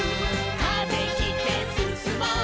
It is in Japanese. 「風切ってすすもう」